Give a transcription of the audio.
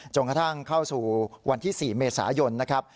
กระทั่งเข้าสู่วันที่๔เมษายนนะครับ